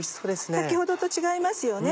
先ほどと違いますよね。